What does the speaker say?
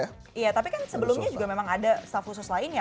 iya tapi kan sebelumnya juga memang ada staff khusus lainnya